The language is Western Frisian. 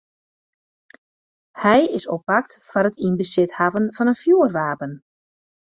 Hy is oppakt foar it yn besit hawwen fan in fjoerwapen.